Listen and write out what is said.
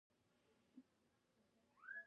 په هغو هېوادونو کې چې بشپړه ازادي و نه لري.